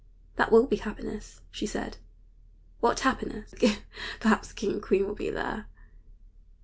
"That will be happiness," she said. "What happiness! Perhaps the king and queen will be there!"